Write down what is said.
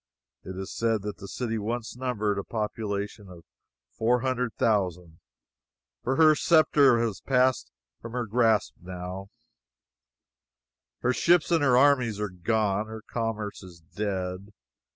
It is said that the city once numbered a population of four hundred thousand; but her sceptre has passed from her grasp, now, her ships and her armies are gone, her commerce is dead.